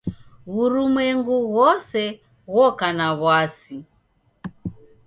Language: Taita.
W'urumwengu ghose ghoka na w'asi.